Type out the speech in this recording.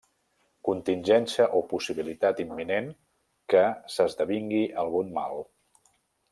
Contingència o possibilitat imminent que s'esdevingui algun mal.